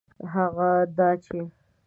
هغه دا چي